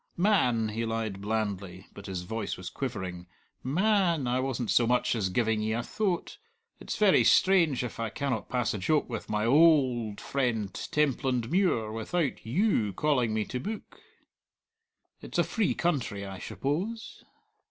"Man," he lied blandly, but his voice was quivering "ma a an, I wasn't so much as giving ye a thoat! It's verra strange if I cannot pass a joke with my o old friend Templandmuir without you calling me to book. It's a free country, I shuppose!